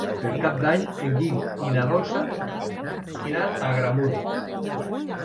Per Cap d'Any en Guim i na Dolça iran a Agramunt.